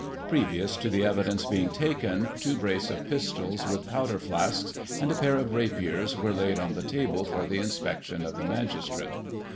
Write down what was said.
Previous to the evidence being taken, two brace of pistols, with powder flasks, and a pair of rapiers, were laid on the table for the inspection of the magistrate.